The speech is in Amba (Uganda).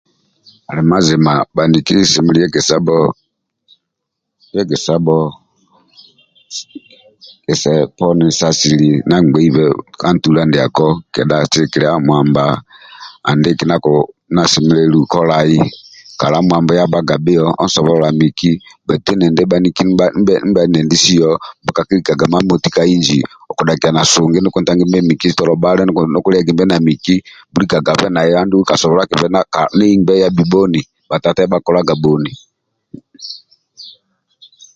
Ali mazima bhaniki kisemeleli egesabho egesabho asili ndia agbeibe asili sa ntula ndiako kedha sigikilia mwamba kala mwamba yakolag bhio onsobolola miki bhaitu endindi bhaniki ndibhe endindisio okudhakiaga na sungi ndio kontangimbe miki okudhakia tolo bhali ndio koliagimbe na miki bhulikagabe na miki kala yabhakolaga bhoni bhatata yabhakolaga